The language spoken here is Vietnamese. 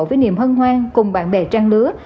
với niềm hân hoan cùng bạn bè trang lứa